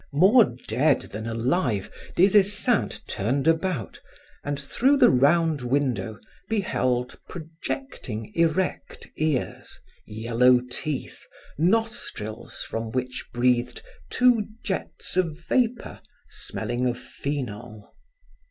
More dead than alive, Des Esseintes turned about and through the round window beheld projecting erect ears, yellow teeth, nostrils from which breathed two jets of vapor smelling of phenol.